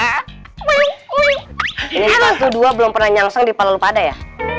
ini di tahun dua ribu dua belum pernah nyangseng di palelupada ya